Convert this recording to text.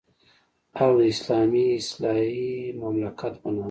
او د اسلامي اصلاحي مملکت په نامه.